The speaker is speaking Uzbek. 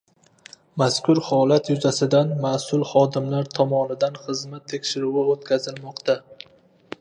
Mazkur holat yuzasidan mas’ul xodimlar tomonidan xizmat tekshiruvi o‘tkazilmoqda